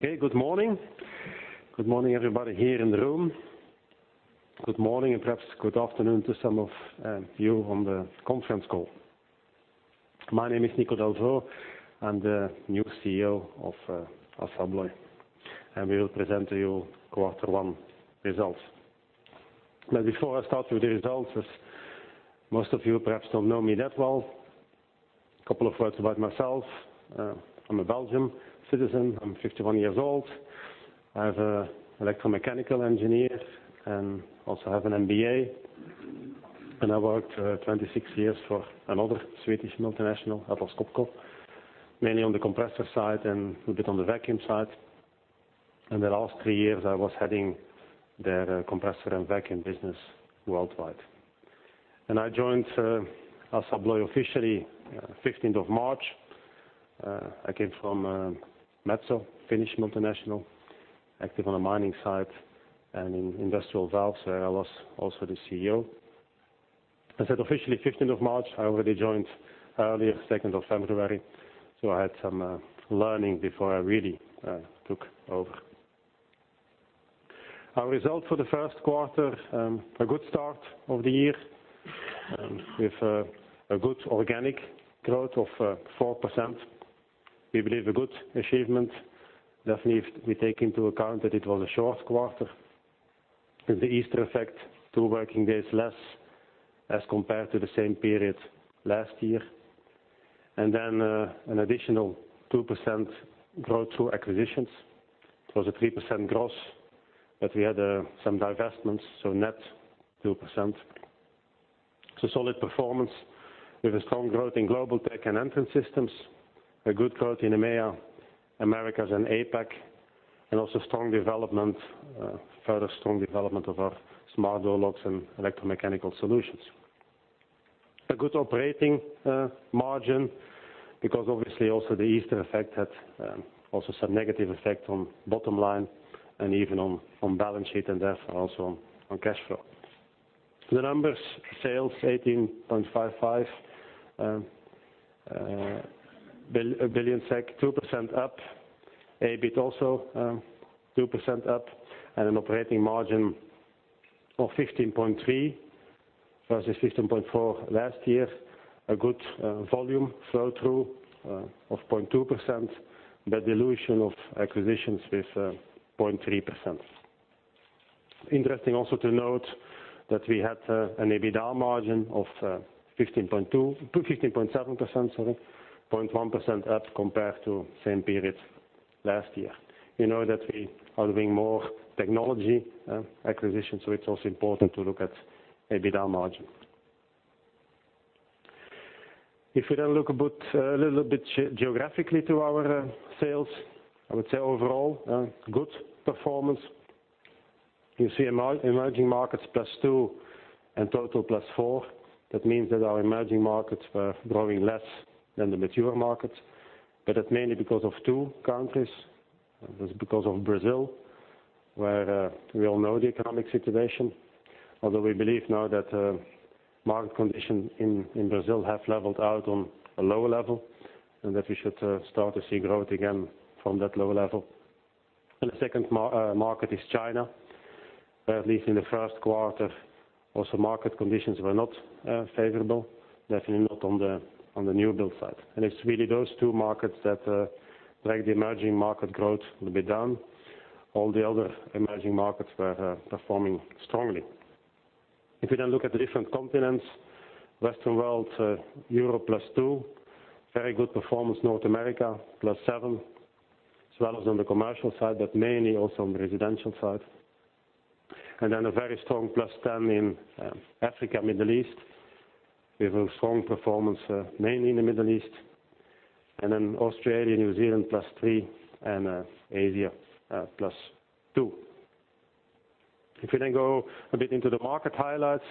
Good morning everybody here in the room. Good morning, and perhaps good afternoon to some of you on the conference call. My name is Nico Delvaux. I am the new CEO of Assa Abloy. We will present to you our Q1 results. Before I start with the results, as most of you perhaps don't know me that well, a couple of words about myself. I am a Belgian citizen. I am 51 years old. I have an electrical engineering degree, also have an MBA. I worked for 26 years for another Swedish multinational, Atlas Copco, mainly on the compressor side and a bit on the vacuum side. The last 3 years, I was heading their compressor and vacuum business worldwide. I joined Assa Abloy officially, 15th of March. I came from Metso, Finnish multinational, active on the mining side and in industrial valves. There I was also the CEO. I said officially 15th of March, I already joined earlier, 2nd of February. I had some learning before I really took over. Our result for the first quarter, a good start of the year with a good organic growth of 4%. We believe a good achievement, definitely if we take into account that it was a short quarter with the Easter effect, two working days less as compared to the same period last year. An additional 2% growth through acquisitions. It was a 3% gross. We had some divestments, net 2%. It is a solid performance with a strong growth in Global Technologies and Entrance Systems, a good growth in EMEA, Americas, and APAC, also further strong development of our smart door locks and electromechanical solutions. A good operating margin because obviously the Easter effect had some negative effect on bottom line and even on balance sheet and therefore also on cash flow. The numbers, sales 18.55 billion SEK, 2% up. EBIT also 2% up, an operating margin of 15.3% versus 15.4% last year. A good volume flow-through of 0.2%, dilution of acquisitions with 0.3%. Interesting also to note that we had an EBITDA margin of 15.7%, 0.1% up compared to same period last year. You know that we are doing more technology acquisitions, it is also important to look at EBITDA margin. If we look a little bit geographically to our sales, I would say overall, good performance. You see emerging markets +2% and total +4%. That means that our emerging markets were growing less than the mature markets, that is mainly because of two countries. That is because of Brazil, where we all know the economic situation. Although we believe now that market condition in Brazil have leveled out on a lower level, that we should start to see growth again from that lower level. The second market is China, where at least in the first quarter, also market conditions were not favorable, definitely not on the new build side. It is really those two markets that drag the emerging market growth a little bit down. All the other emerging markets were performing strongly. Looking at the different continents, Western world, Europe +2%. Very good performance North America, +7%. As well as on the commercial side, mainly also on the residential side. A very strong +10% in Africa and Middle East, with a strong performance mainly in the Middle East. Australia, New Zealand plus three, and Asia plus two. We go a bit into the market highlights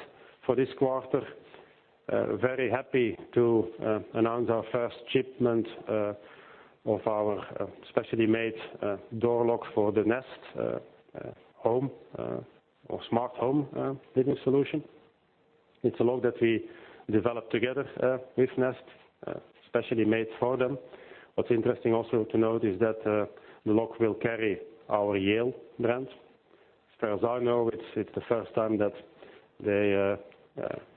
for this quarter, very happy to announce our first shipment of our specially made door lock for the Nest Home or smart home living solution. It's a lock that we developed together with Nest, specially made for them. What's interesting also to note is that the lock will carry our Yale brand. As far as I know, it's the first time that they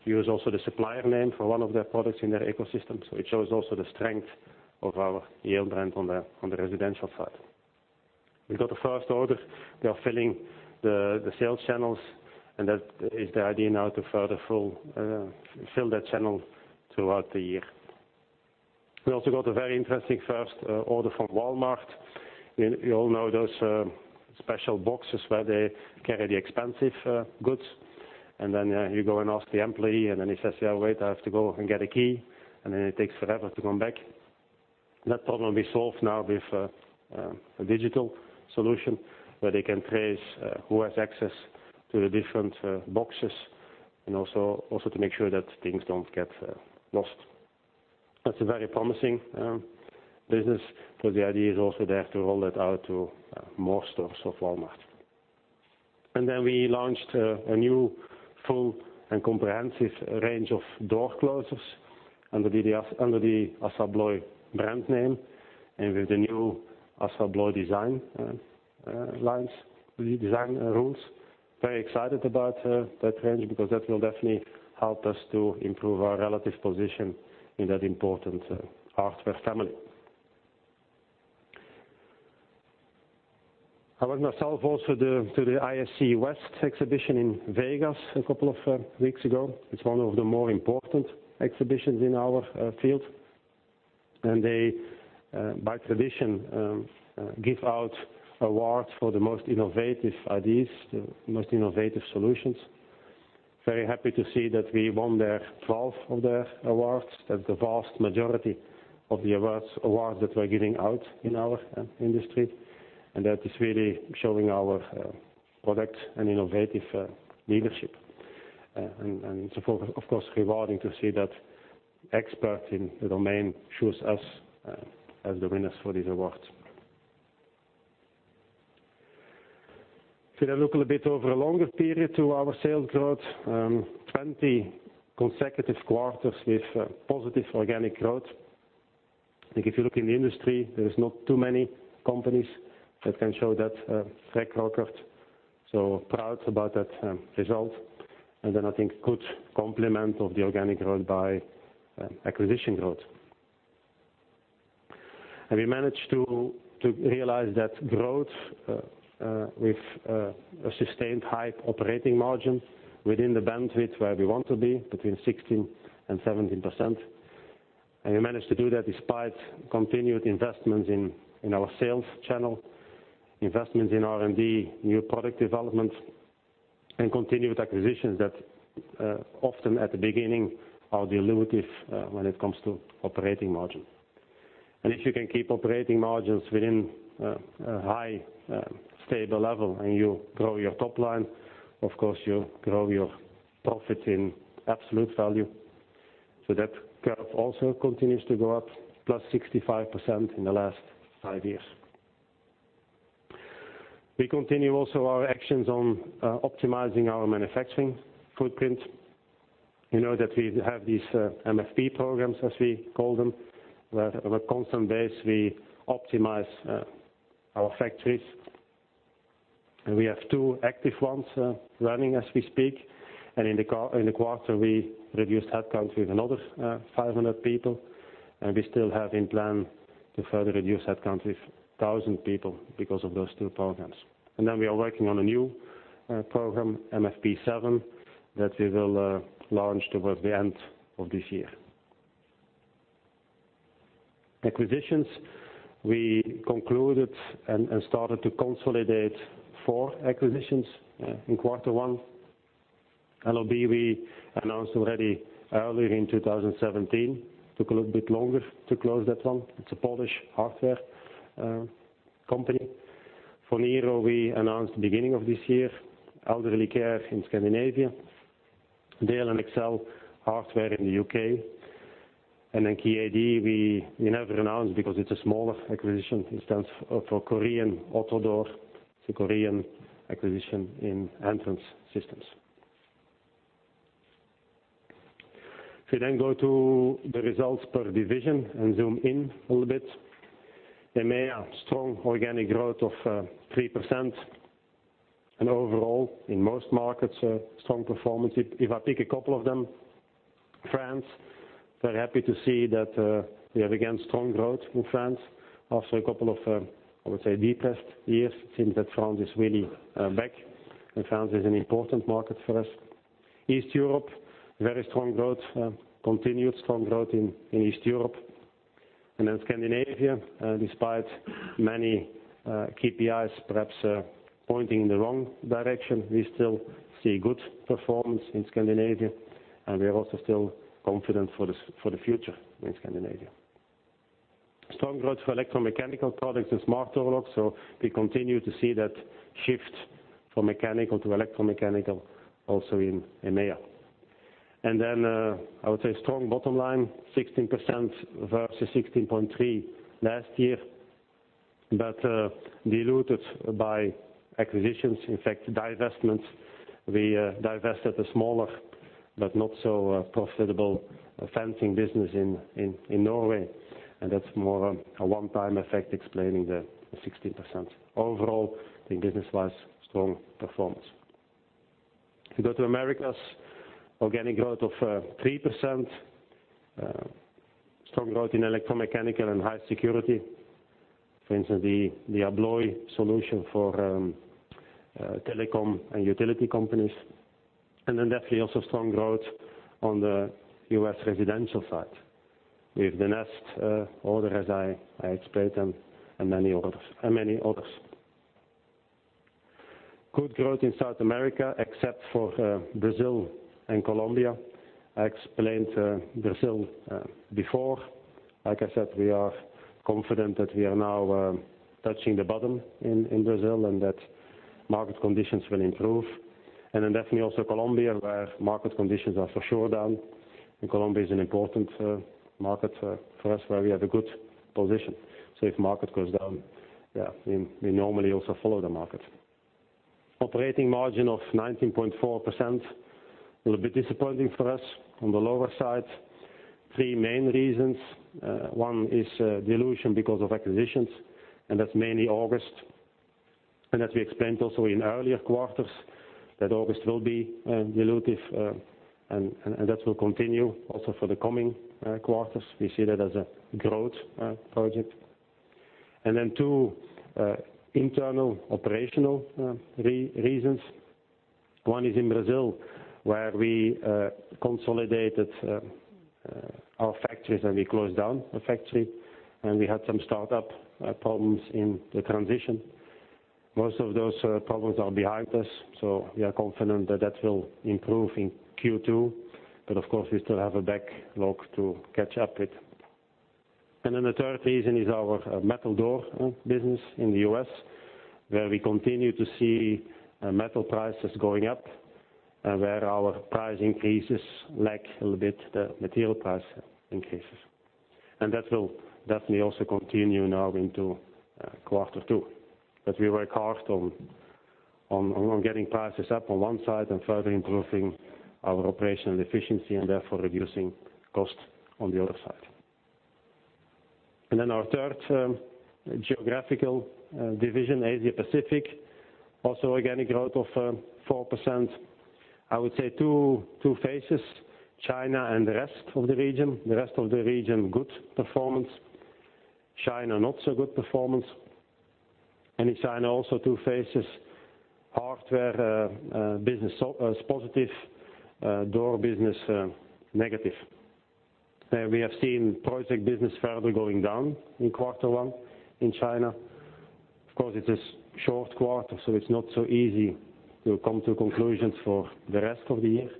use also the supplier name for one of their products in their ecosystem. It shows also the strength of our Yale brand on the residential side. We got the first order. They are filling the sales channels, and that is the idea now to further fill that channel throughout the year. We also got a very interesting first order from Walmart. You all know those special boxes where they carry the expensive goods, and then you go and ask the employee, and then he says, "Yeah, wait, I have to go and get a key," and then it takes forever to come back. That problem is solved now with a digital solution where they can trace who has access to the different boxes and also to make sure that things don't get lost. That's a very promising business because the idea is also there to roll it out to more stores of Walmart. We launched a new full and comprehensive range of door closers under the Assa Abloy brand name and with the new Assa Abloy design lines, the new design rules. Very excited about that range because that will definitely help us to improve our relative position in that important hardware family. I went myself also to the ISC West exhibition in Vegas a couple of weeks ago. It's one of the more important exhibitions in our field, and they, by tradition, give out awards for the most innovative ideas, the most innovative solutions. Very happy to see that we won 12 of their awards. That's the vast majority of the awards that we're giving out in our industry, and that is really showing our product and innovative leadership. It's of course rewarding to see that experts in the domain choose us as the winners for these awards. We look a bit over a longer period to our sales growth, 20 consecutive quarters with positive organic growth. I think if you look in the industry, there is not too many companies that can show that track record, so proud about that result. I think good complement of the organic growth by acquisition growth. We managed to realize that growth with a sustained high operating margin within the bandwidth where we want to be between 16% and 17%. We managed to do that despite continued investments in our sales channel, investments in R&D, new product developments, and continued acquisitions that often, at the beginning, are dilutive when it comes to operating margin. If you can keep operating margins within a high, stable level and you grow your top line, of course, you grow your profit in absolute value. That curve also continues to go up, +65% in the last five years. We continue also our actions on optimizing our manufacturing footprint. You know that we have these MFP programs, as we call them, where on a constant base, we optimize our factories. We have two active ones running as we speak. In the quarter, we reduced headcount with another 500 people, and we still have in plan to further reduce headcount with 1,000 people because of those two programs. We are working on a new program, MFP7, that we will launch towards the end of this year. Acquisitions. We concluded and started to consolidate 4 acquisitions in quarter one. LOB, we announced already earlier in 2017, took a little bit longer to close that one. It's a Polish hardware company. Phoniro, we announced the beginning of this year, elderly care in Scandinavia. Dale & Excel Hardware in the U.K., and then KAD, we never announced because it's a smaller acquisition. It stands for Korean Autodoor. It's a Korean acquisition in Entrance Systems. If we then go to the results per division and zoom in a little bit. EMEA. Strong organic growth of 3%, and overall, in most markets, strong performance. If I pick a couple of them, France, very happy to see that we have again strong growth in France after a couple of, I would say, depressed years since that France is really back, and France is an important market for us. East Europe, very strong growth, continued strong growth in East Europe. Scandinavia, despite many KPIs perhaps pointing in the wrong direction, we still see good performance in Scandinavia, and we are also still confident for the future in Scandinavia. Strong growth for electromechanical products and smart door locks, so we continue to see that shift from mechanical to electromechanical also in EMEA. I would say strong bottom line, 16% versus 16.3% last year, but diluted by acquisitions, in fact, divestments. We divested a smaller but not so profitable fencing business in Norway, and that's more a one-time effect explaining the 16%. Overall, I think business-wise, strong performance. If we go to Americas, organic growth of 3%, strong growth in electromechanical and high security. For instance, the Abloy solution for telecom and utility companies. Definitely also strong growth on the U.S. residential side with the Nest order, as I explained, and many others. Good growth in South America except for Brazil and Colombia. I explained Brazil before. Like I said, we are confident that we are now touching the bottom in Brazil and that market conditions will improve. Definitely also Colombia, where market conditions are for sure down, and Colombia is an important market for us, where we have a good position. If the market goes down, we normally also follow the market. Operating margin of 19.4%, a little bit disappointing for us, on the lower side. Three main reasons. One is dilution because of acquisitions, and that's mainly August. As we explained also in earlier quarters, that August will be dilutive, and that will continue also for the coming quarters. We see that as a growth project. Two internal operational reasons. One is in Brazil, where we consolidated our factories, and we closed down a factory, and we had some startup problems in the transition. Most of those problems are behind us, so we are confident that that will improve in Q2. Of course, we still have a backlog to catch up with. The third reason is our metal door business in the U.S., where we continue to see metal prices going up and where our price increases lag a little bit the material price increases. That will definitely also continue now into quarter two. We work hard on getting prices up on one side and further improving our operational efficiency and therefore reducing costs on the other side. Our third geographical division, Asia Pacific, also organic growth of 4%. I would say two phases, China and the rest of the region. The rest of the region, good performance. China, not so good performance. In China, also two phases, hardware business is positive, door business negative. We have seen project business further going down in quarter one in China. It is a short quarter, so it is not so easy to come to conclusions for the rest of the year.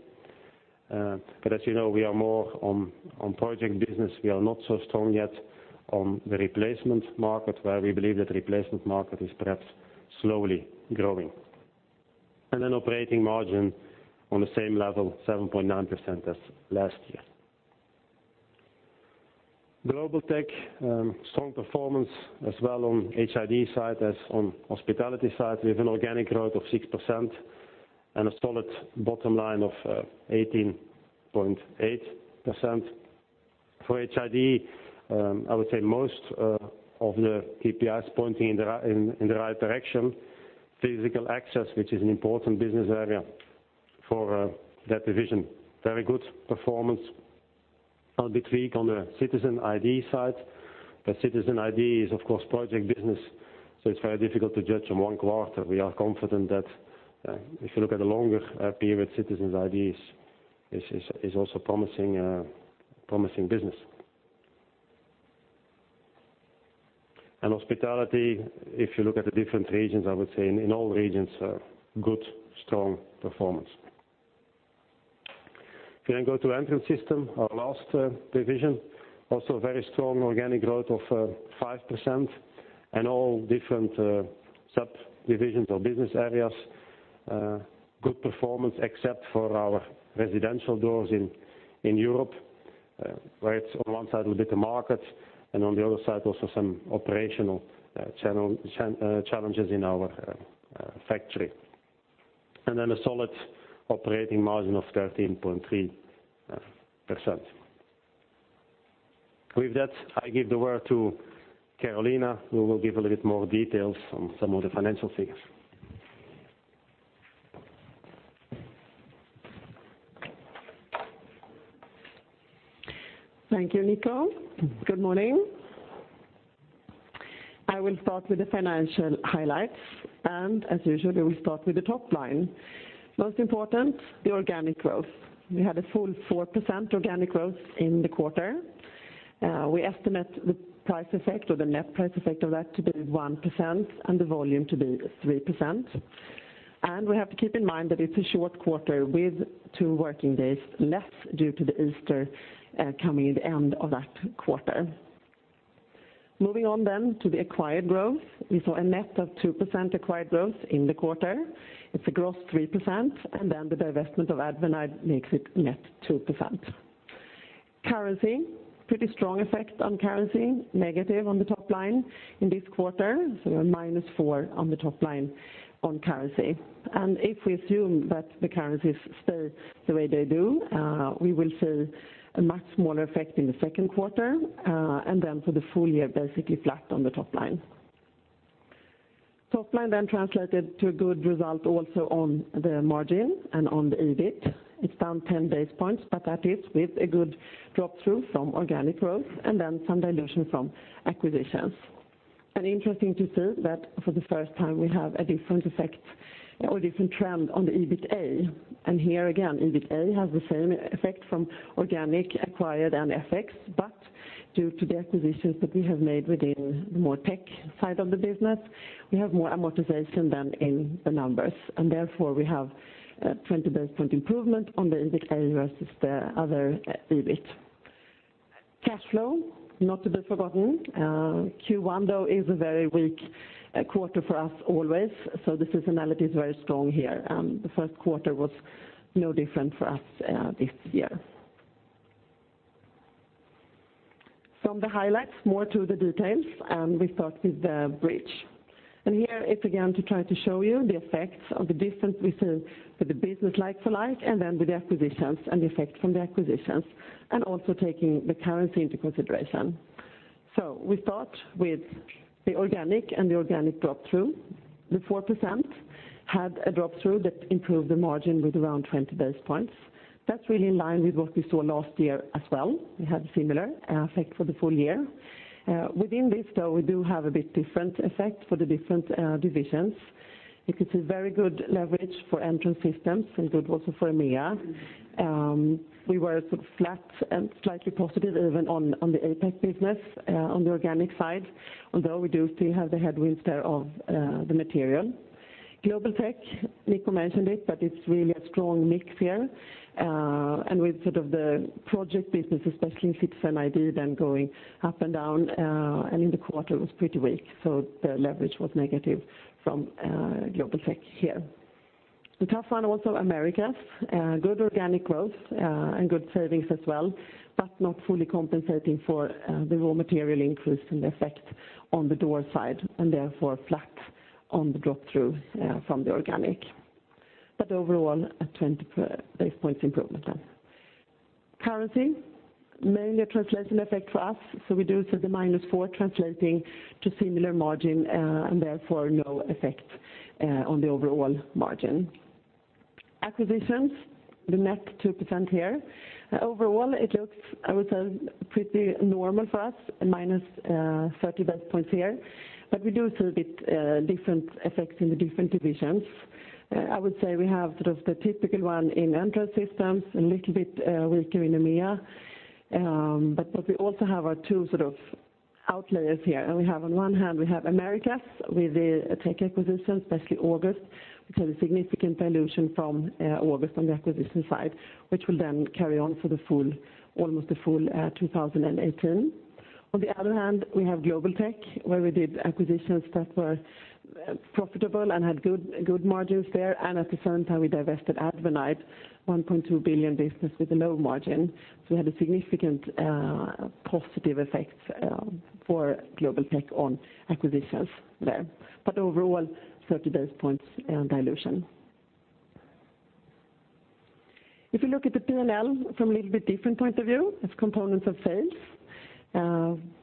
As you know, we are more on project business. We are not so strong yet on the replacement market, where we believe that the replacement market is perhaps slowly growing. Operating margin on the same level, 7.9%, as last year. Global Technologies, strong performance as well on HID side as on hospitality side. We have an organic growth of 6% and a solid bottom line of 18.8%. For HID, I would say most of the KPIs pointing in the right direction. Physical access, which is an important business area for that division, very good performance. A bit weak on the Citizen ID side, but Citizen ID is, of course, project business, so it is very difficult to judge on one quarter. We are confident that if you look at the longer period, Citizen ID is also promising business. Hospitality, if you look at the different regions, I would say in all regions, good, strong performance. We then go to Entrance Systems, our last division, also very strong organic growth of 5%, and all different sub-divisions or business areas good performance, except for our residential doors in Europe, where it is on one side a little bit the market, and on the other side, also some operational challenges in our factory. A solid operating margin of 13.3%. With that, I give the word to Carolina, who will give a little bit more details on some of the financial figures. Thank you, Nico. Good morning. I will start with the financial highlights. As usual, we will start with the top line. Most important, the organic growth. We had a full 4% organic growth in the quarter. We estimate the price effect or the net price effect of that to be 1% and the volume to be 3%. We have to keep in mind that it is a short quarter with two working days less due to the Easter coming at the end of that quarter. Moving on to the acquired growth. We saw a net of 2% acquired growth in the quarter. It is a gross 3%, and then the divestment of AdvanIDe makes it net 2%. Currency, pretty strong effect on currency, negative on the top line in this quarter, so a minus four on the top line on currency. If we assume that the currencies stay the way they do, we will see a much smaller effect in the second quarter. For the full year, basically flat on the top line. Top line translated to a good result also on the margin and on the EBIT. It's down 10 basis points, but that is with a good drop-through from organic growth and then some dilution from acquisitions. Interesting to see that for the first time, we have a different effect or a different trend on the EBITA. Here again, EBITA has the same effect from organic, acquired, and FX, but due to the acquisitions that we have made within the more tech side of the business, we have more amortization than in the numbers, and therefore we have a 20 basis point improvement on the EBITA versus the other EBIT. Cash flow, not to be forgotten. Q1 though is a very weak quarter for us always. The seasonality is very strong here. The first quarter was no different for us this year. From the highlights, more to the details. We start with the bridge. Here it's again to try to show you the effects of the difference we see with the business like for like and then with the acquisitions and the effect from the acquisitions, also taking the currency into consideration. We start with the organic and the organic drop-through. The 4% had a drop-through that improved the margin with around 20 basis points. That's really in line with what we saw last year as well. We had a similar effect for the full year. Within this though, we do have a bit different effect for the different divisions. It is a very good leverage for Entrance Systems and good also for EMEA. We were sort of flat and slightly positive even on the APAC business, on the organic side, although we do still have the headwinds there of the material. Global Tech, Nico mentioned it. It's really a strong mix here. With sort of the project business, especially FIPS and ID then going up and down. In the quarter it was pretty weak. The leverage was negative from Global Tech here. A tough one also, Americas. Good organic growth, and good savings as well. Not fully compensating for the raw material increase and the effect on the door side. Therefore flat on the drop-through from the organic. Overall, a 20 basis points improvement then. Currency, mainly a translation effect for us. We do see the minus four translating to similar margin. Therefore no effect on the overall margin. Acquisitions, the net 2% here. Overall it looks, I would say, pretty normal for us, minus 30 basis points here. We do see a bit different effects in the different divisions. I would say we have sort of the typical one in Entrance Systems, a little bit weaker in EMEA. We also have our two sort of outliers here. We have on one hand we have Americas with the tech acquisitions, especially August, which had a significant dilution from August on the acquisition side, which will then carry on for almost the full 2018. On the other hand, we have Global Tech, where we did acquisitions that were profitable and had good margins there. At the same time, we divested AdvanIDe, a 1.2 billion business with a low margin. We had a significant positive effect for Global Technologies on acquisitions there. Overall, 30 basis points dilution. If you look at the P&L from a little bit different point of view, as components of sales.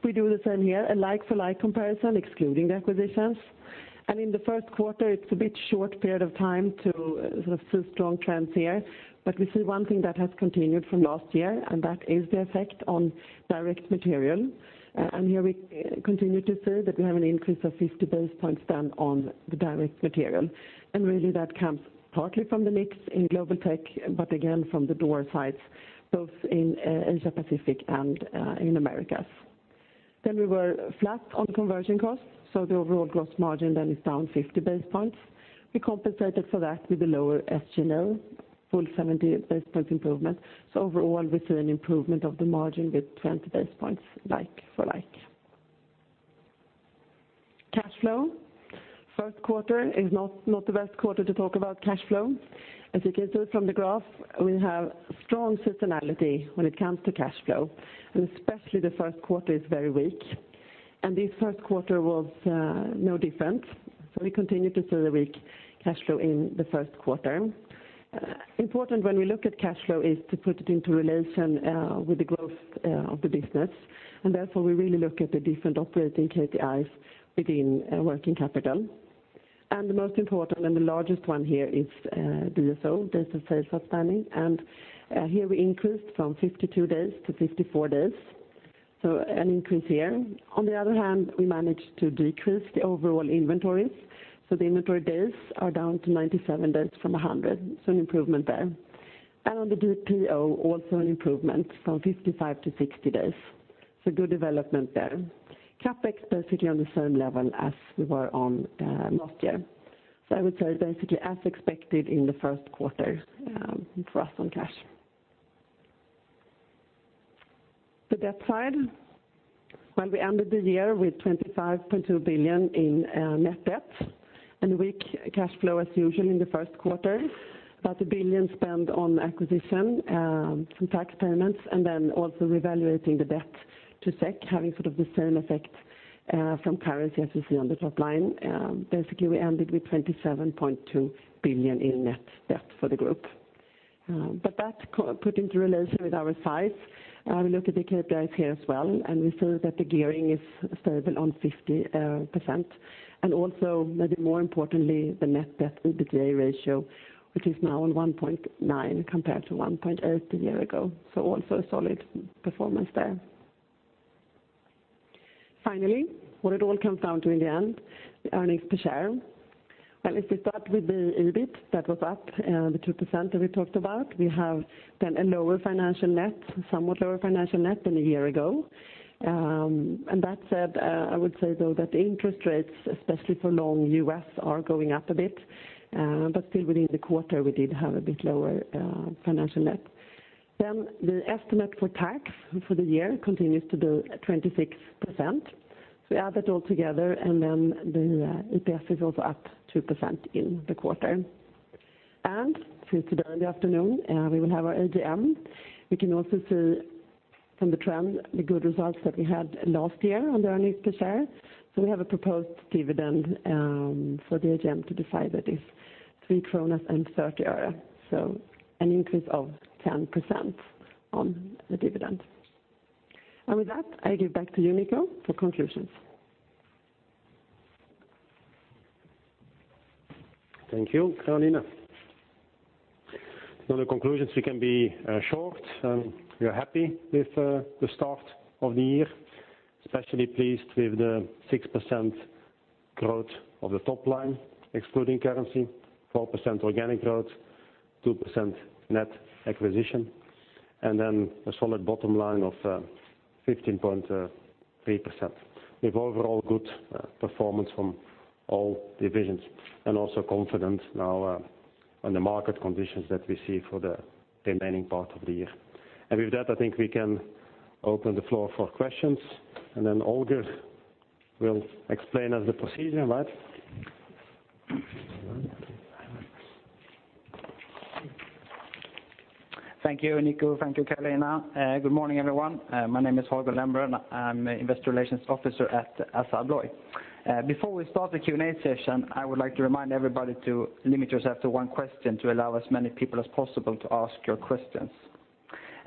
We do the same here, a like-for-like comparison, excluding the acquisitions. In the first quarter it's a bit short period of time to see strong trends here. We see one thing that has continued from last year, and that is the effect on direct material. Here we continue to see that we have an increase of 50 basis points then on the direct material. Really that comes partly from the mix in Global Technologies, but again from the door sides both in Asia Pacific and in Americas. We were flat on conversion costs, the overall gross margin then is down 50 basis points. We compensated for that with the lower SG&A, full 70 basis points improvement. Overall, we see an improvement of the margin with 20 basis points like for like. Cash flow. First quarter is not the best quarter to talk about cash flow. As you can see from the graph, we have strong seasonality when it comes to cash flow, and especially the first quarter is very weak. This first quarter was no different. We continue to see the weak cash flow in the first quarter. Important when we look at cash flow is to put it into relation with the growth of the business, and therefore we really look at the different operating KPIs within working capital. The most important and the largest one here is DSO, days of sales outstanding, and here we increased from 52 days to 54 days, an increase here. On the other hand, we managed to decrease the overall inventories. The inventory days are down to 97 days from 100, an improvement there. On the DPO, also an improvement from 55 to 60 days. Good development there. CapEx basically on the same level as we were on last year. I would say basically as expected in the first quarter for us on cash. The debt side. We ended the year with 25.2 billion in net debt and weak cash flow as usual in the first quarter. About 1 billion spent on acquisition, some tax payments, also revaluating the debt to SEK having sort of the same effect from currency as you see on the top line. We ended with 27.2 billion in net debt for the group. That put into relation with our size, we look at the KPIs here as well, we see that the gearing is stable on 50%. Also maybe more importantly, the net debt to EBITDA ratio, which is now on 1.9 compared to 1.8 a year ago. Also a solid performance there. Finally, what it all comes down to in the end, the earnings per share. If we start with the EBIT, that was up, the 2% that we talked about. We have a lower financial net, somewhat lower financial net than a year ago. That said, I would say though that interest rates, especially for long U.S., are going up a bit. But still within the quarter, we did have a bit lower financial net. The estimate for tax for the year continues to be at 26%. We add that all together, and then the EPS is also up 2% in the quarter. Since today in the afternoon we will have our AGM, we can also see from the trend the good results that we had last year on the earnings per share. We have a proposed dividend for the AGM to decide that is SEK 3.30. An increase of 10% on the dividend. With that, I give back to you Nico for conclusions. Thank you, Carolina. The conclusions we can be short. We are happy with the start of the year, especially pleased with the 6% growth of the top line excluding currency, 4% organic growth, 2% net acquisition, and then a solid bottom line of 15.3%. With overall good performance from all divisions, and also confidence now on the market conditions that we see for the remaining part of the year. With that, I think we can open the floor for questions, and then Holger will explain us the procedure, right? Thank you, Nico. Thank you, Carolina. Good morning, everyone. My name is Holger Lembrér. I'm Investor Relations Officer at Assa Abloy. Before we start the Q&A session, I would like to remind everybody to limit yourself to one question to allow as many people as possible to ask your questions.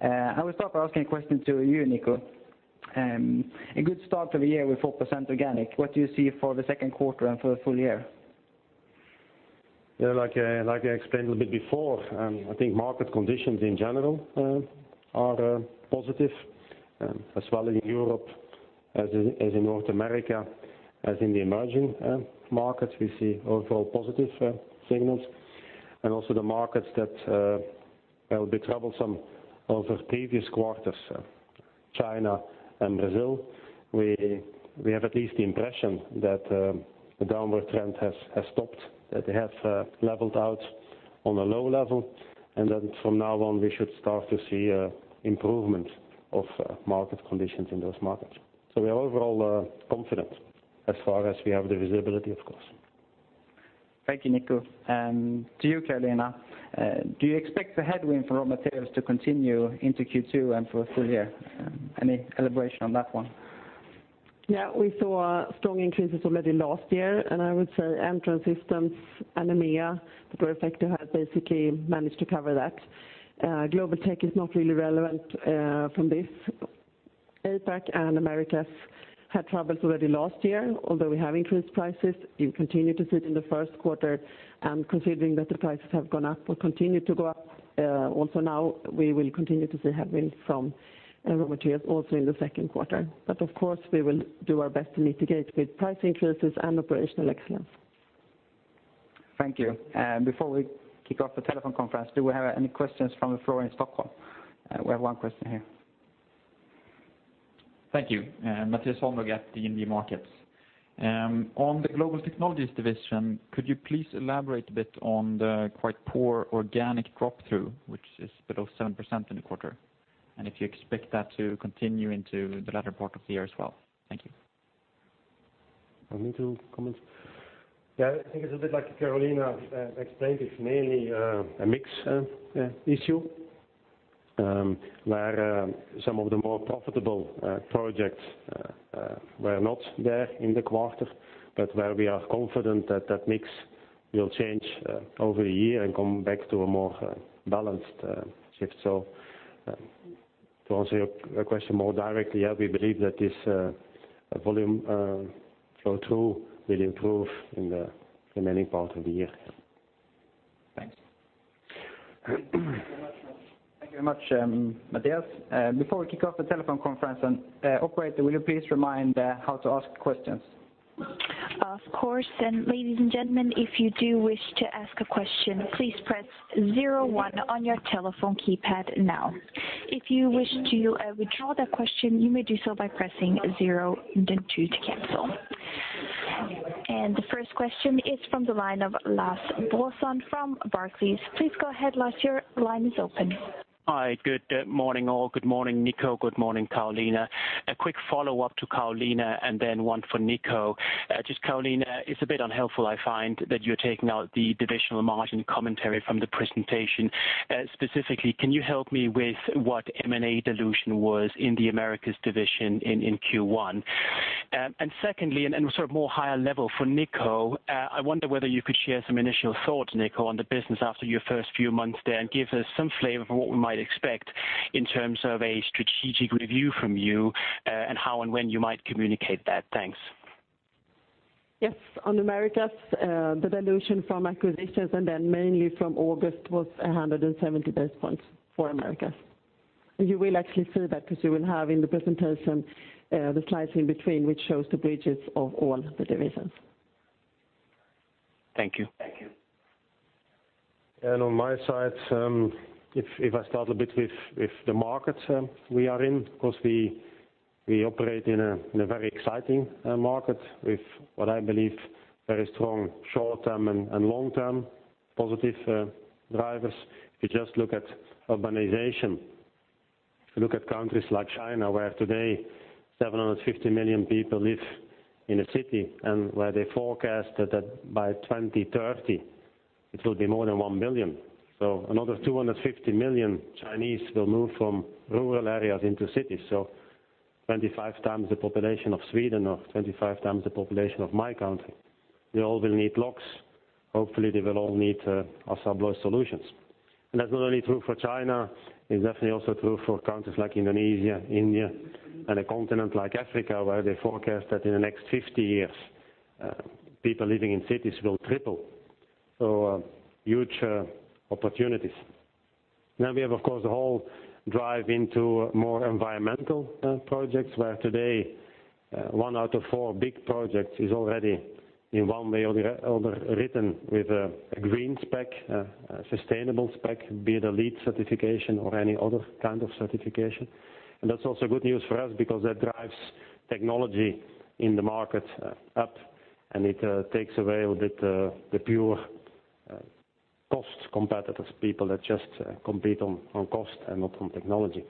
I will start by asking a question to you, Nico. A good start of the year with 4% organic. What do you see for the second quarter and for the full year? Like I explained a little bit before, I think market conditions in general are positive, as well in Europe as in North America, as in the emerging markets, we see overall positive signals. Also the markets that were a bit troublesome over previous quarters, China and Brazil, we have at least the impression that the downward trend has stopped, that they have leveled out on a low level. From now on, we should start to see improvement of market conditions in those markets. So we are overall confident as far as we have the visibility, of course. Thank you, Nico. To you, Carolina, do you expect the headwind for raw materials to continue into Q2 and for full year? Any elaboration on that one? Yeah, we saw strong increases already last year. I would say Entrance Systems and EMEA were affected, have basically managed to cover that. Global Technologies is not really relevant from this. APAC and Americas had troubles already last year. Although we have increased prices, it continued to sit in the first quarter. Considering that the prices have gone up or continued to go up, also now, we will continue to see headwind from raw materials also in the second quarter. But of course, we will do our best to mitigate with price increases and operational excellence. Thank you. Before we kick off the telephone conference, do we have any questions from the floor in Stockholm? We have one question here. Thank you. Mattias Holmberg at DNB Markets. On the Global Technologies division, could you please elaborate a bit on the quite poor organic drop-through, which is below 7% in the quarter, if you expect that to continue into the latter part of the year as well? Thank you. You want me to comment? Yeah, I think it's a bit like Carolina explained, it's mainly a mix issue, where some of the more profitable projects were not there in the quarter, but where we are confident that that mix will change over a year and come back to a more balanced shift. To answer your question more directly, yeah, we believe that this volume flow-through will improve in the remaining part of the year. Thanks. Thank you very much, Mattias. Before we kick off the telephone conference, operator, will you please remind how to ask questions? Of course. Ladies and gentlemen, if you do wish to ask a question, please press 01 on your telephone keypad now. If you wish to withdraw that question, you may do so by pressing 0 then 2 to cancel. The first question is from the line of Lars Brorson from Barclays. Please go ahead, Lars, your line is open. Hi, good morning, all. Good morning, Nico. Good morning, Carolina. A quick follow-up to Carolina and then one for Nico. Just Carolina, it's a bit unhelpful, I find, that you're taking out the divisional margin commentary from the presentation. Specifically, can you help me with what M&A dilution was in the Americas division in Q1? Secondly, and sort of more higher level for Nico, I wonder whether you could share some initial thoughts, Nico, on the business after your first few months there and give us some flavor for what we might expect in terms of a strategic review from you, and how and when you might communicate that. Thanks. Yes. On Americas, the dilution from acquisitions and then mainly from August Home was 170 basis points for Americas. You will actually see that because you will have in the presentation the slides in between, which shows the bridges of all the divisions. Thank you. On my side, if I start a bit with the market we are in, of course, we operate in a very exciting market with what I believe very strong short-term and long-term positive drivers. If you just look at urbanization, if you look at countries like China, where today 750 million people live in a city, and where they forecast that by 2030 it will be more than 1 billion. Another 250 million Chinese will move from rural areas into cities. 25 times the population of Sweden, or 25 times the population of my country. They all will need locks. Hopefully, they will all need Assa Abloy solutions. That's not only true for China, it's definitely also true for countries like Indonesia, India and a continent like Africa, where they forecast that in the next 50 years, people living in cities will triple. Huge opportunities. We have, of course, the whole drive into more environmental projects, where today one out of four big projects is already in one way or the other written with a green spec, a sustainable spec, be it a LEED certification or any other kind of certification. That's also good news for us because that drives technology in the market up, and it takes away a little bit the pure cost competitors, people that just compete on cost and not on technology.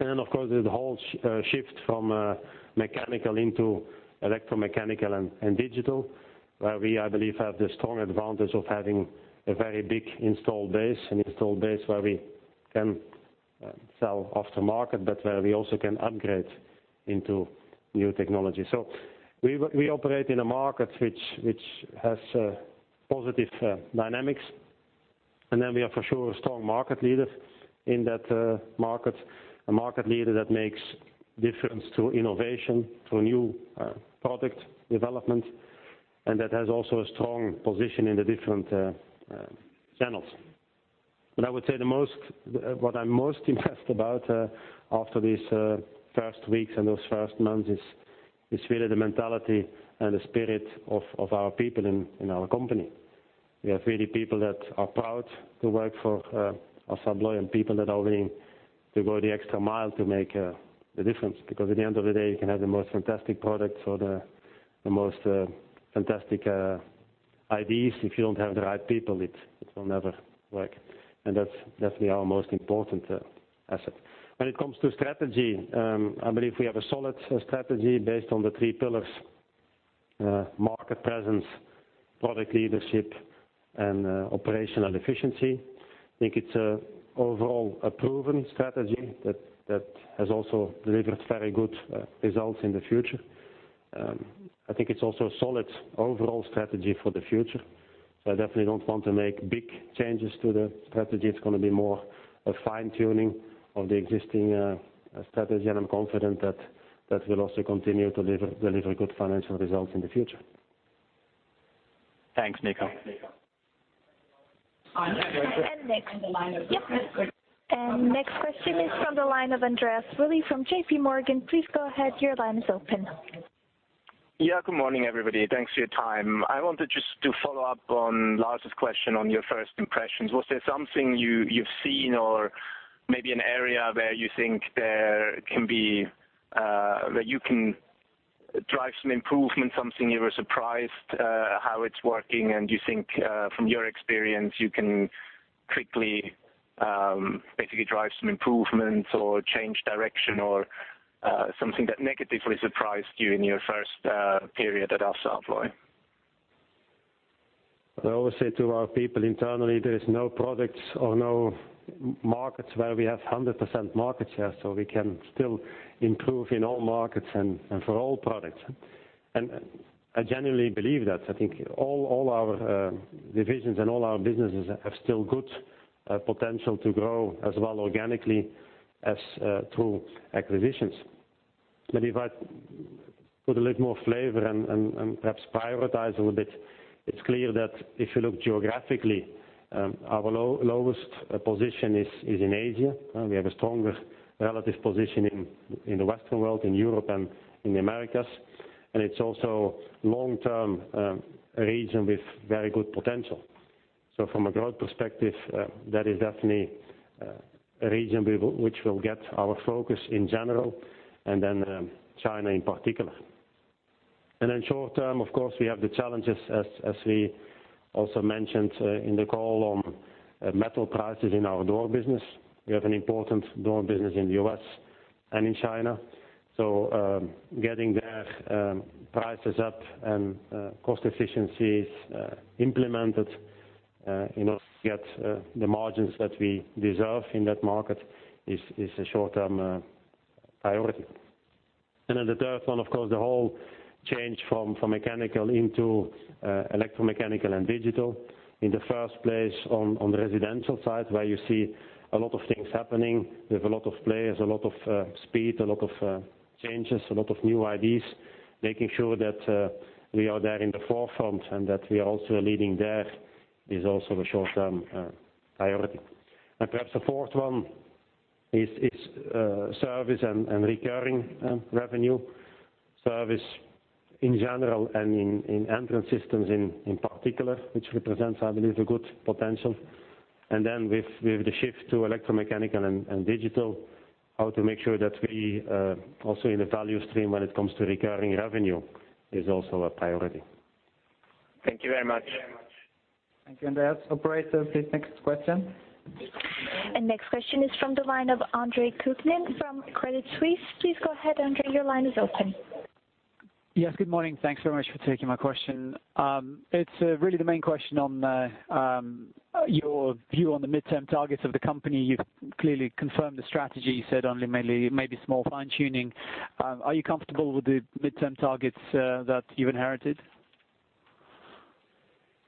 Of course, the whole shift from mechanical into electromechanical and digital, where we, I believe, have the strong advantage of having a very big installed base, an installed base where we can sell aftermarket, but where we also can upgrade into new technology. We operate in a market which has positive dynamics. We are for sure a strong market leader in that market, a market leader that makes difference to innovation, to new product development, and that has also a strong position in the different channels. I would say what I'm most impressed about after these first weeks and those first months is really the mentality and the spirit of our people in our company. We have really people that are proud to work for Assa Abloy and people that are willing to go the extra mile to make the difference. Because at the end of the day, you can have the most fantastic products or the most fantastic ideas. If you don't have the right people, it will never work. That's definitely our most important asset. When it comes to strategy, I believe we have a solid strategy based on the three pillars, market presence, product leadership, and operational efficiency. I think it's overall a proven strategy that has also delivered very good results in the future. I think it's also a solid overall strategy for the future. I definitely don't want to make big changes to the strategy. It's going to be more a fine tuning of the existing strategy, I'm confident that will also continue to deliver good financial results in the future. Thanks, Nico. Next. Next question is from the line of Andreas Willi from J.P. Morgan. Please go ahead, your line is open. Yeah. Good morning, everybody. Thanks for your time. I wanted just to follow up on Lars' question on your first impressions. Was there something you've seen or maybe an area where you think that you can drive some improvement, something you were surprised how it's working, and you think from your experience you can quickly basically drive some improvements or change direction or something that negatively surprised you in your first period at Assa Abloy? I always say to our people internally, there is no products or no markets where we have 100% market share, we can still improve in all markets and for all products. I genuinely believe that. I think all our divisions and all our businesses have still good potential to grow as well organically as through acquisitions. If I put a little more flavor and perhaps prioritize a little bit, it's clear that if you look geographically, our lowest position is in Asia. We have a stronger relative position in the Western world, in Europe and in the Americas, and it's also long-term region with very good potential. From a growth perspective, that is definitely a region which will get our focus in general and then China in particular. In short term, of course, we have the challenges, as we also mentioned in the call, on metal prices in our door business. We have an important door business in the U.S. and in China. Getting their prices up and cost efficiencies implemented in order to get the margins that we deserve in that market is a short-term priority. The third one, of course, the whole change from mechanical into electromechanical and digital. In the first place on the residential side, where you see a lot of things happening with a lot of players, a lot of speed, a lot of changes, a lot of new ideas. Making sure that we are there in the forefront and that we are also leading there is also a short-term priority. Perhaps the fourth one is service and recurring revenue service in general and in Entrance Systems in particular, which represents, I believe, a good potential. With the shift to electromechanical and digital, how to make sure that we also in the value stream when it comes to recurring revenue is also a priority. Thank you very much. Thank you. Yes, operator, please, next question. Next question is from the line of Andre Kukhnin from Credit Suisse. Please go ahead, Andre, your line is open. Yes. Good morning. Thanks very much for taking my question. It's really the main question on your view on the midterm targets of the company. You've clearly confirmed the strategy. You said only mainly maybe small fine-tuning. Are you comfortable with the midterm targets that you inherited?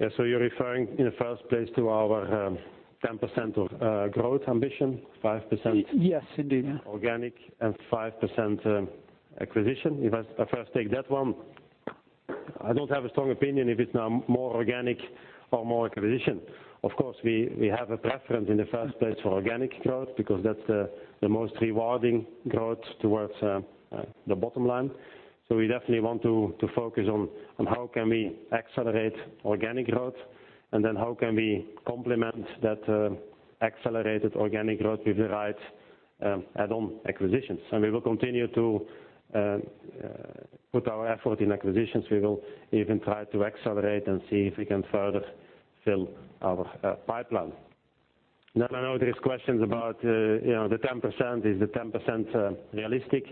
Yes. You're referring in the first place to our 10% of growth ambition, 5%- Yes, indeed organic and 5% acquisition. I first take that one, I don't have a strong opinion if it's now more organic or more acquisition. Of course, we have a preference in the first place for organic growth because that's the most rewarding growth towards the bottom line. We definitely want to focus on how can we accelerate organic growth, and then how can we complement that accelerated organic growth with the right add-on acquisitions. We will continue to put our effort in acquisitions. We will even try to accelerate and see if we can further fill our pipeline. I know there is questions about the 10%. Is the 10% realistic?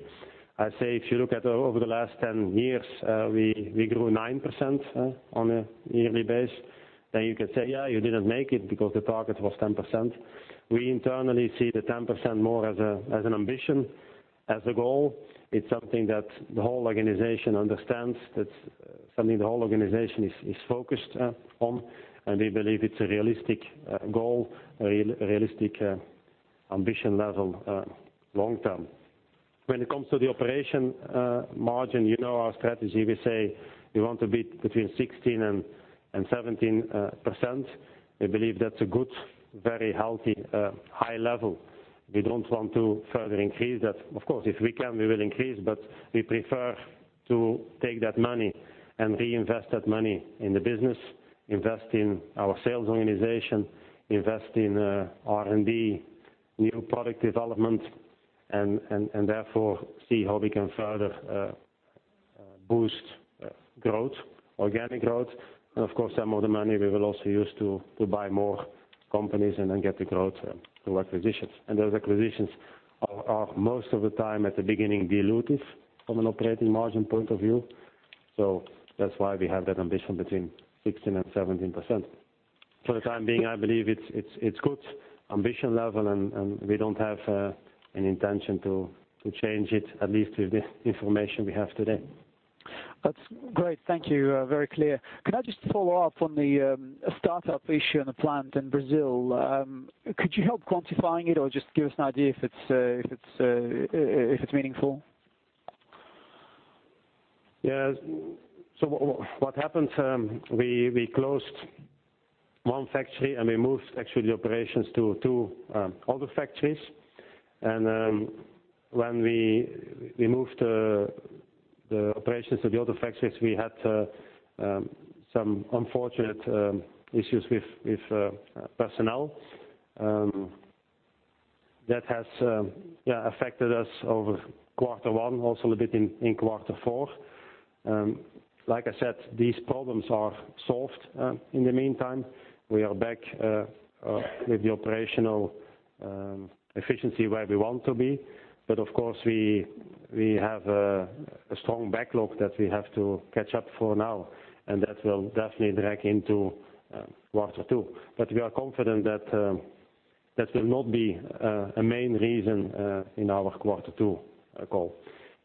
I say if you look at over the last 10 years, we grew 9% on a yearly base. You could say, "Yeah, you didn't make it because the target was 10%." We internally see the 10% more as an ambition, as a goal. It's something that the whole organization understands. That's something the whole organization is focused on, and we believe it's a realistic goal, a realistic ambition level long term. When it comes to the operation margin, you know our strategy. We say we want to be between 16% and 17%. We believe that's a good, very healthy high level. We don't want to further increase that. Of course, if we can, we will increase, but we prefer to take that money and reinvest that money in the business, invest in our sales organization, invest in R&D, new product development, and therefore see how we can further boost growth, organic growth. Of course, some of the money we will also use to buy more companies and then get the growth through acquisitions. Those acquisitions are most of the time at the beginning dilutive from an operating margin point of view. That's why we have that ambition between 16%-17%. For the time being, I believe it's good ambition level. We don't have an intention to change it, at least with the information we have today. That's great. Thank you. Very clear. Could I just follow up on the startup issue on the plant in Brazil? Could you help quantifying it or just give us an idea if it's meaningful? Yes. What happened, we closed one factory, and we moved actually the operations to two other factories. When we moved the operations to the other factories, we had some unfortunate issues with personnel. That has affected us over quarter one, also a bit in quarter four. Like I said, these problems are solved in the meantime. We are back with the operational efficiency where we want to be. Of course, we have a strong backlog that we have to catch up for now, and that will definitely drag into quarter two. We are confident that will not be a main reason in our quarter two goal.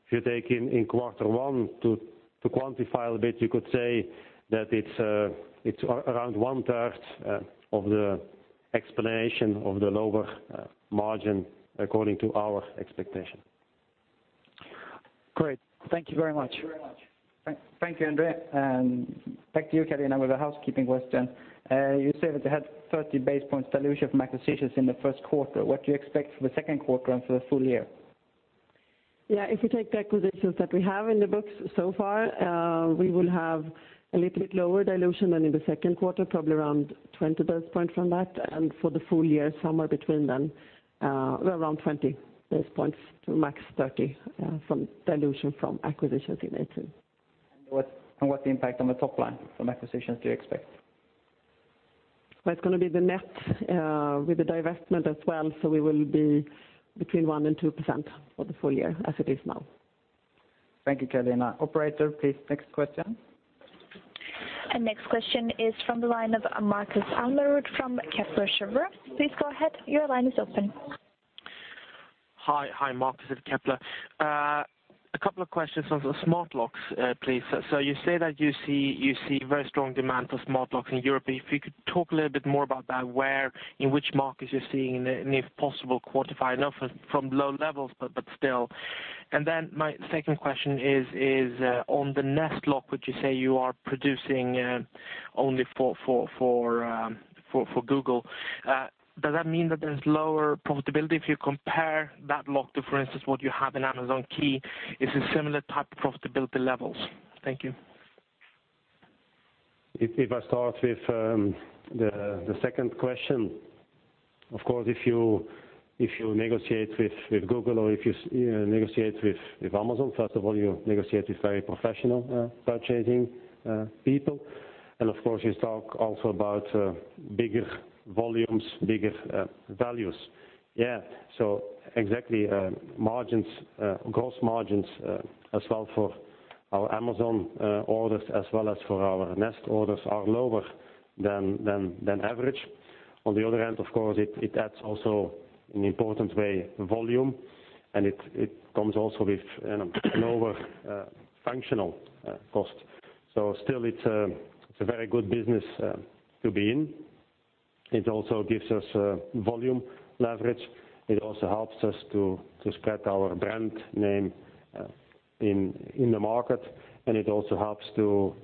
If you take in quarter one to quantify a bit, you could say that it's around one third of the explanation of the lower margin according to our expectation. Great. Thank you very much. Thank you, Andre Kukhnin. Back to you, Carolina, with a housekeeping question. You say that you had 30 basis points dilution from acquisitions in the first quarter. What do you expect for the second quarter and for the full year? Yeah. If we take the acquisitions that we have in the books so far, we will have a little bit lower dilution than in the second quarter, probably around 20 basis points from that. For the full year, somewhere between then, around 20 basis points to max 30 from dilution from acquisitions in H2. What's the impact on the top line from acquisitions do you expect? It's going to be the net with the divestment as well. We will be between one and 2% for the full year as it is now. Thank you, Carolina. Operator, please, next question. Next question is from the line of Markus Almerud from Kepler Cheuvreux. Please go ahead. Your line is open. Hi. Markus at Kepler. A couple of questions on smart locks, please. You say that you see very strong demand for smart locks in Europe. If you could talk a little bit more about that, where, in which markets you're seeing, and if possible, quantify. I know from low levels, but still. Then my second question is on the Nest lock, which you say you are producing only for Google. Does that mean that there's lower profitability if you compare that lock to, for instance, what you have in Amazon Key? Is it similar type of profitability levels? Thank you. If I start with the second question, of course, if you negotiate with Google or if you negotiate with Amazon, first of all, you negotiate with very professional purchasing people. Of course, you talk also about bigger volumes, bigger values. Yeah. Exactly, gross margins as well for our Amazon orders as well as for our Nest orders are lower than average. On the other hand, of course, it adds also in an important way volume, and it comes also with a lower functional cost. Still it's a very good business to be in. It also gives us volume leverage. It also helps us to spread our brand name in the market, and it also helps to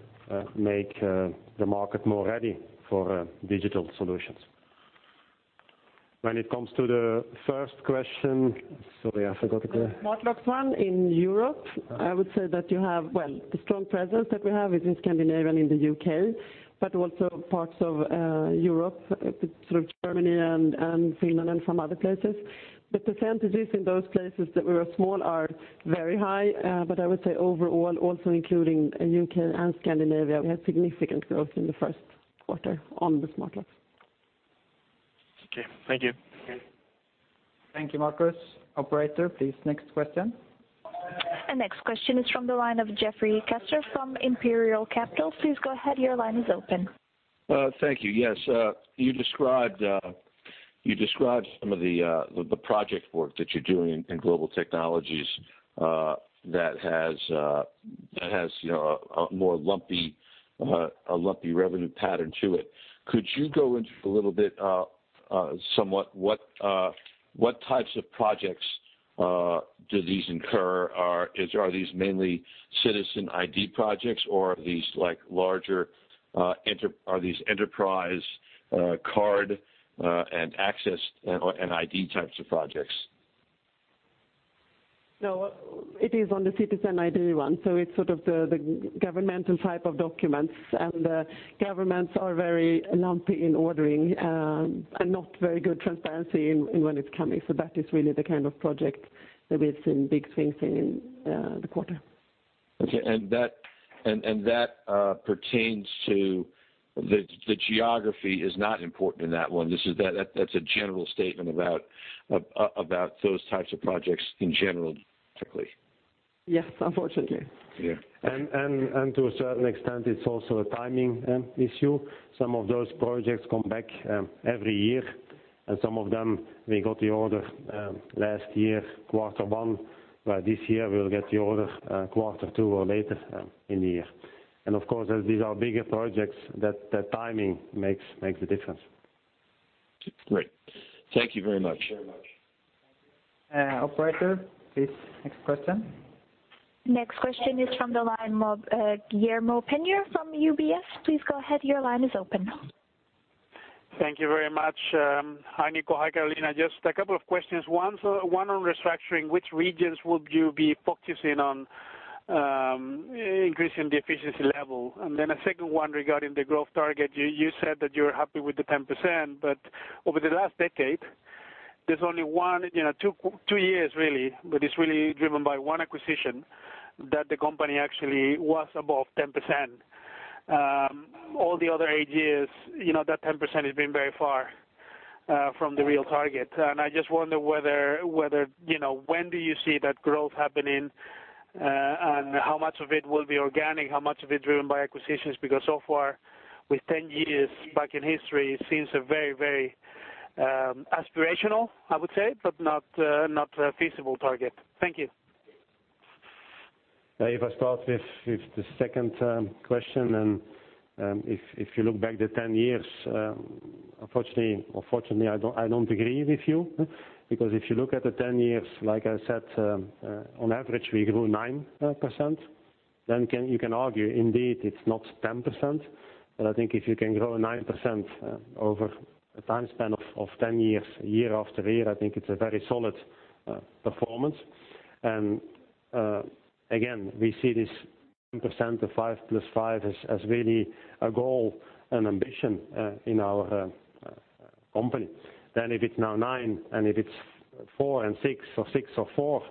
make the market more ready for digital solutions. When it comes to the first question, sorry, I forgot the. The smart locks one in Europe, I would say that you have, well, the strong presence that we have is in Scandinavia and in the U.K., also parts of Europe through Germany and Finland and some other places. The percentages in those places that were small are very high. I would say overall, also including U.K. and Scandinavia, we had significant growth in the first quarter on the smart locks. Okay. Thank you. Okay. Thank you, Marcus. Operator, please next question. The next question is from the line of Jeffrey Kessler from Imperial Capital. Please go ahead. Your line is open. Thank you. Yes. You described some of the project work that you're doing in Global Technologies that has a lumpy revenue pattern to it. Could you go into a little bit somewhat what types of projects do these incur? Are these mainly Citizen ID projects, or are these enterprise card and access and ID types of projects? No, it is on the Citizen ID one, so it's sort of the governmental type of documents. Governments are very lumpy in ordering, and not very good transparency in when it's coming. That is really the kind of project that we've seen big swings in the quarter. Okay. That pertains to the geography is not important in that one, that's a general statement about those types of projects in general, particularly. Yes, unfortunately. Yeah. To a certain extent, it's also a timing issue. Some of those projects come back every year, and some of them we got the order last year, quarter one, but this year we'll get the order quarter two or later in the year. Of course, as these are bigger projects, the timing makes the difference. Great. Thank you very much. Operator, please next question. Next question is from the line of Guillermo Peña from UBS. Please go ahead. Your line is open. Thank you very much. Hi Nico. Hi Carolina. Just a couple of questions. One on restructuring. Which regions would you be focusing on increasing the efficiency level? A second one regarding the growth target. You said that you're happy with the 10%, but over the last decade, there's only two years really, but it's really driven by one acquisition that the company actually was above 10%. All the other eight years, that 10% has been very far from the real target. I just wonder when do you see that growth happening, and how much of it will be organic, how much of it driven by acquisitions? So far with 10 years back in history, it seems very aspirational, I would say, but not a feasible target. Thank you. If I start with the second question, if you look back the 10 years, unfortunately or fortunately, I don't agree with you. If you look at the 10 years, like I said, on average we grew 9%, you can argue, indeed, it's not 10%. I think if you can grow 9% over a time span of 10 years, year after year, I think it's a very solid performance. Again, we see this 10% to five plus five as really a goal and ambition in our company. If it's now nine, if it's four and six or six or four,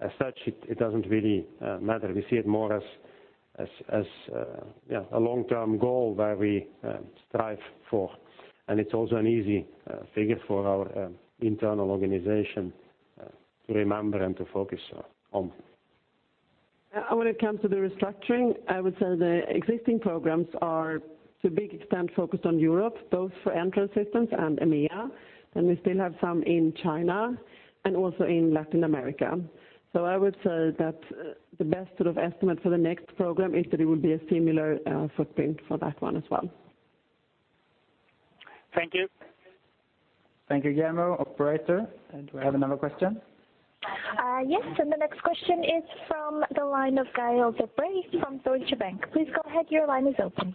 as such, it doesn't really matter. We see it more as a long-term goal where we strive for, it's also an easy figure for our internal organization to remember and to focus on. When it comes to the restructuring, I would say the existing programs are to a big extent focused on Europe, both for Entrance Systems and EMEA. We still have some in China and also in Latin America. I would say that the best sort of estimate for the next program is that it would be a similar footprint for that one as well. Thank you. Thank you, Guillermo. Operator, do I have another question? Yes. The next question is from the line of Gaël de Bray from Deutsche Bank. Please go ahead. Your line is open.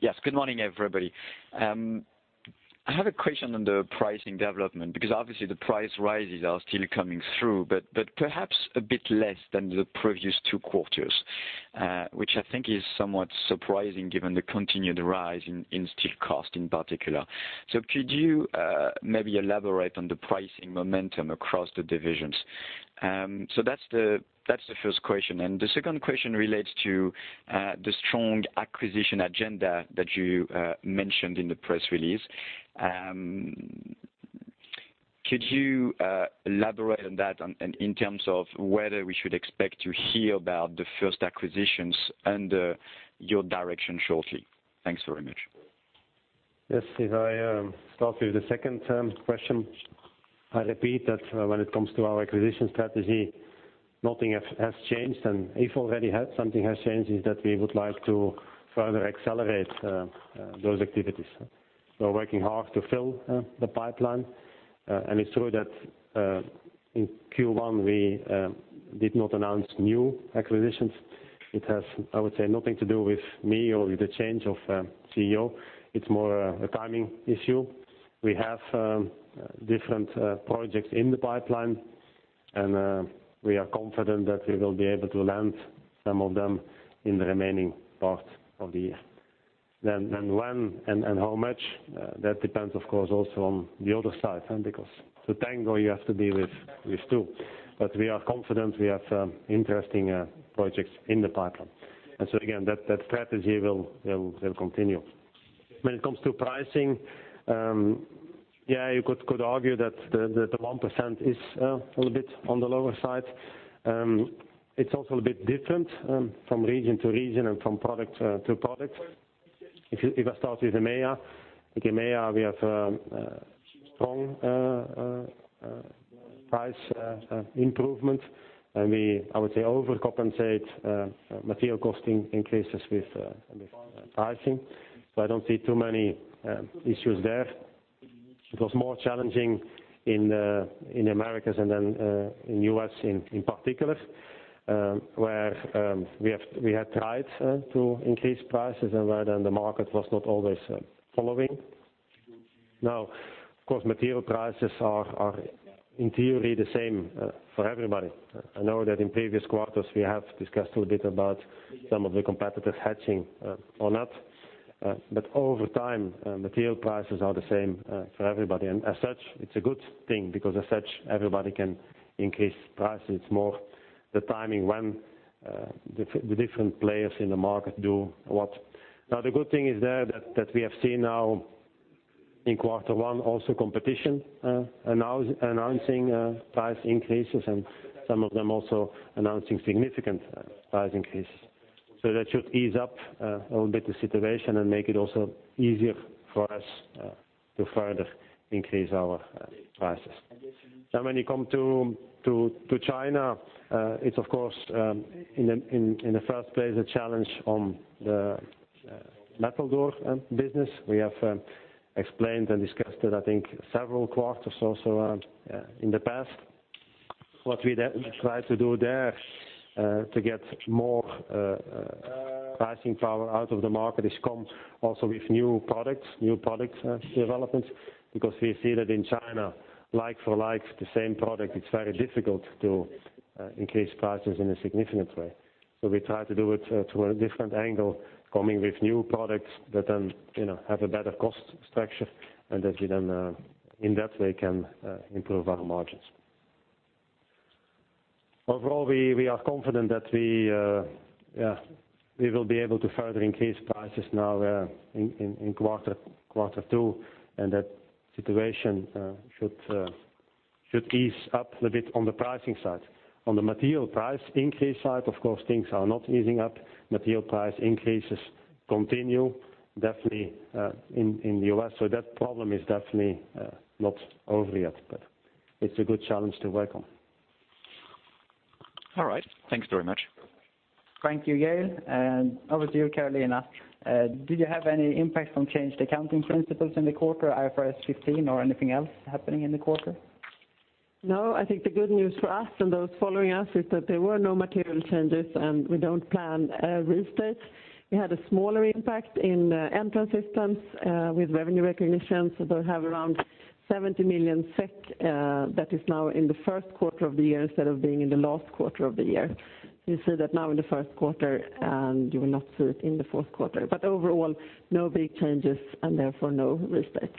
Yes. Good morning, everybody. I have a question on the pricing development, because obviously the price rises are still coming through, but perhaps a bit less than the previous two quarters, which I think is somewhat surprising given the continued rise in steel cost in particular. Could you maybe elaborate on the pricing momentum across the divisions? That's the first question. The second question relates to the strong acquisition agenda that you mentioned in the press release. Could you elaborate on that in terms of whether we should expect to hear about the first acquisitions and your direction shortly? Thanks very much. Yes. If I start with the second question, I repeat that when it comes to our acquisition strategy, nothing has changed. If already something has changed, is that we would like to further accelerate those activities. We're working hard to fill the pipeline. It's true that in Q1, we did not announce new acquisitions. It has, I would say, nothing to do with me or with the change of CEO. It's more a timing issue. We have different projects in the pipeline, and we are confident that we will be able to land some of them in the remaining part of the year. When and how much, that depends, of course, also on the other side. Because the tango you have to be with two. We are confident we have interesting projects in the pipeline. Again, that strategy will continue. When it comes to pricing, you could argue that the 1% is a little bit on the lower side. It's also a bit different from region to region and from product to product. If I start with EMEA. In EMEA, we have a strong price improvement, we, I would say, overcompensate material costing increases with pricing. I don't see too many issues there. It was more challenging in the Americas and then in U.S. in particular, where we had tried to increase prices and where then the market was not always following. Now, of course, material prices are in theory the same for everybody. I know that in previous quarters we have discussed a little bit about some of the competitors hedging or not. Over time, material prices are the same for everybody. As such, it's a good thing because as such, everybody can increase prices. It's more the timing when the different players in the market do what. The good thing is there that we have seen now in quarter one also competition announcing price increases and some of them also announcing significant price increase. That should ease up a little bit the situation and make it also easier for us to further increase our prices. When you come to China, it's of course, in the first place, a challenge on the metal door business. We have explained and discussed it, I think, several quarters also in the past. What we try to do there to get more pricing power out of the market is come also with new products, new product developments. We see that in China, like for like, the same product, it's very difficult to increase prices in a significant way. We try to do it through a different angle, coming with new products that then have a better cost structure and that we then in that way can improve our margins. Overall, we are confident that we will be able to further increase prices now in quarter two. That situation should ease up a little bit on the pricing side. On the material price increase side, of course, things are not easing up. Material price increases continue, definitely in the U.S. That problem is definitely not over yet, but it's a good challenge to work on. All right. Thanks very much. Thank you, Gael. Over to you, Carolina. Did you have any impact from changed accounting principles in the quarter, IFRS 15 or anything else happening in the quarter? I think the good news for us and those following us is that there were no material changes, and we don't plan restates. We had a smaller impact in Entrance Systems with revenue recognition. They'll have around 70 million SEK that is now in the first quarter of the year instead of being in the last quarter of the year. You see that now in the first quarter, and you will not see it in the fourth quarter. Overall, no big changes and therefore no restate.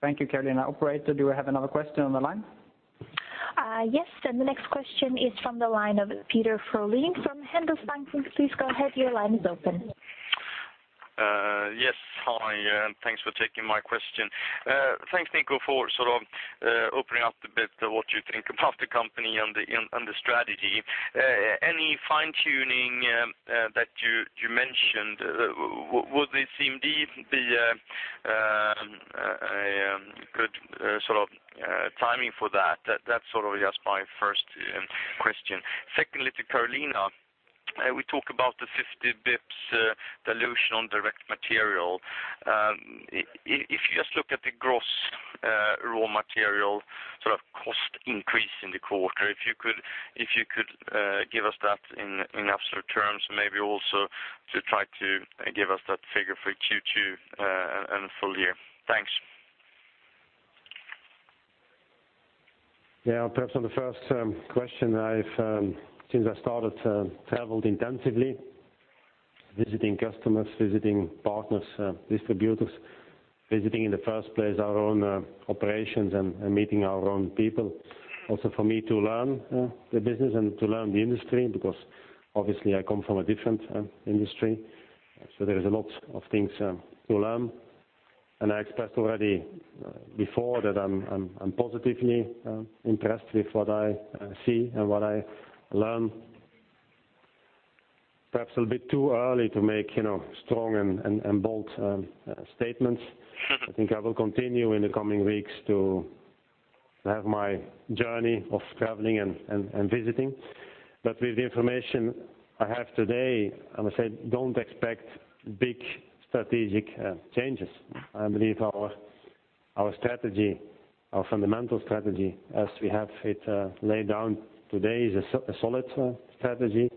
Thank you, Carolina. Operator, do we have another question on the line? Yes. The next question is from the line of Peder Frölén from Handelsbanken. Please go ahead. Your line is open. Yes. Hi, thanks for taking my question. Thanks, Nico, for sort of opening up a bit what you think about the company and the strategy. Any fine tuning that you mentioned, would this indeed be a good sort of timing for that? That's sort of just my first question. Secondly, to Carolina, we talk about the 50 basis points dilution on direct material. If you just look at the gross raw material sort of cost increase in the quarter, if you could give us that in absolute terms, maybe also to try to give us that figure for Q2 and full year. Thanks. Yeah. Perhaps on the first question, since I started, traveled intensively, visiting customers, visiting partners, distributors. Visiting in the first place our own operations and meeting our own people. Also for me to learn the business and to learn the industry, because obviously I come from a different industry. There is a lot of things to learn, and I expressed already before that I'm positively impressed with what I see and what I learn. Perhaps a bit too early to make strong and bold statements. I think I will continue in the coming weeks to have my journey of traveling and visiting. With the information I have today, I must say, don't expect big strategic changes. I believe our fundamental strategy as we have it laid down today is a solid strategy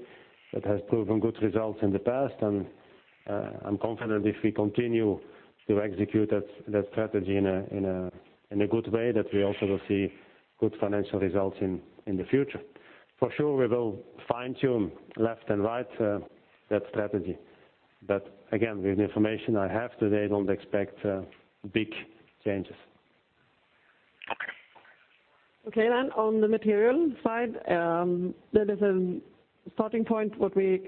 that has proven good results in the past. I'm confident if we continue to execute that strategy in a good way, that we also will see good financial results in the future. For sure, we will fine tune left and right that strategy. Again, with the information I have today, don't expect big changes. On the material side, there is a starting point what we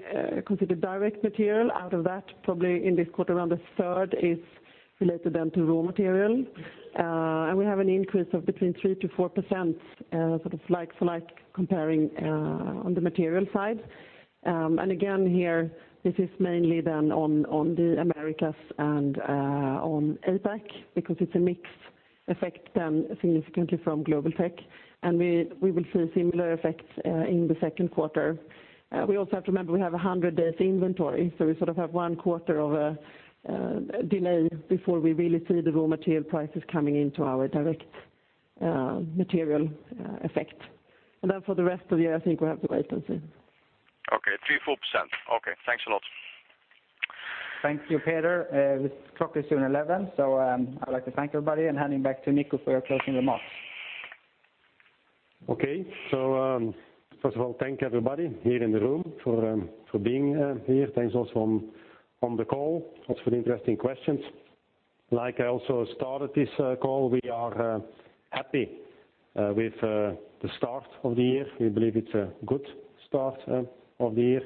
consider direct material. Out of that, probably in this quarter, around a third is related then to raw material. We have an increase of between 3%-4%, sort of like comparing on the material side. Again, here this is mainly then on the Americas and on APAC, because it's a mixed effect then significantly from Global Technologies, and we will see similar effects in the second quarter. We also have to remember we have 100 days inventory, so we sort of have one quarter of a delay before we really see the raw material prices coming into our direct material effect. For the rest of the year, I think we have to wait and see. 3%, 4%. Thanks a lot. Thank you, Peder. The clock is soon 11. I'd like to thank everybody, and handing back to Nico for your closing remarks. Okay. First of all, I thank everybody here in the room for being here. Thanks also on the call, also for the interesting questions. Like I also started this call, we are happy with the start of the year. We believe it's a good start of the year.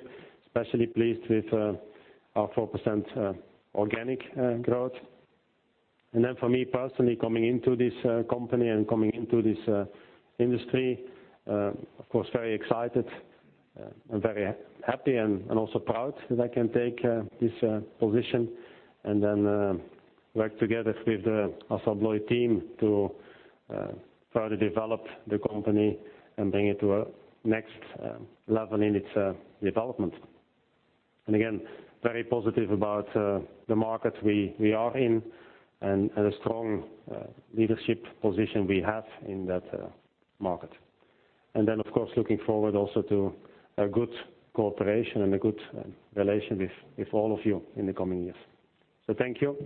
Especially pleased with our 4% organic growth. For me personally, coming into this company and coming into this industry, of course, very excited and very happy and also proud that I can take this position and then work together with the Assa Abloy team to further develop the company and bring it to a next level in its development. Again, very positive about the market we are in and the strong leadership position we have in that market. Of course, looking forward also to a good cooperation and a good relation with all of you in the coming years. Thank you.